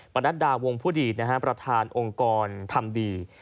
ประนัดดาวงพุทธฤทธิ์นะฮะประธานองค์กรธรรมดี